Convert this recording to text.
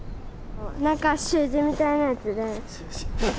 なんか習字みたいなやつで。